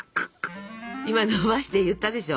今のばして言ったでしょ。